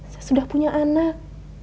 saya sudah punya anak